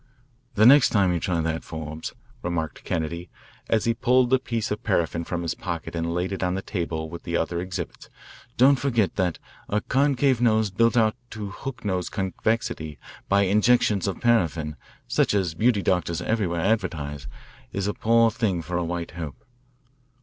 "The next time you try that, Forbes," remarked Kennedy, as he pulled the piece of paraffin from his pocket and laid it on the table with the other exhibits, "don't forget that a concave nose built out to hook nose convexity by injections of paraffin, such as the beauty doctors everywhere advertise, is a poor thing for a White Hope.